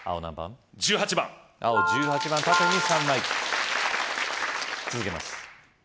１８番青１８番縦に３枚続けます